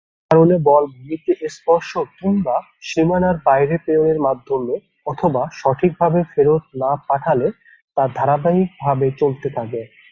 কোন কারণে বল ভূমিতে স্পর্শ কিংবা সীমানার বাইরে প্রেরণের মাধ্যমে অথবা সঠিকভাবে ফেরত না পাঠালে তা ধারাবাহিকভাবে চলতে থাকে।